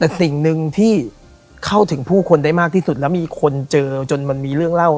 แต่สิ่งหนึ่งที่เข้าถึงผู้คนได้มากที่สุดแล้วมีคนเจอจนมันมีเรื่องเล่า